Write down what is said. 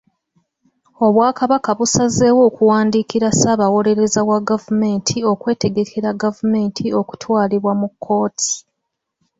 Obwakabaka busazeewo okuwandiikira Ssaabawolereza wa gavumenti okwetegekera gavumenti okutwalibwa mu kkooti.